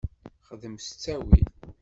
Xdem s ttawil.